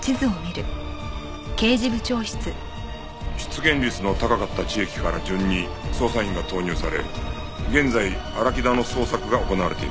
出現率の高かった地域から順に捜査員が投入され現在荒木田の捜索が行われています。